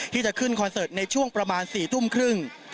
ที่จะขึ้นคอนเสิร์ตในช่วงประมาณ๔ทุ่มครึ่ง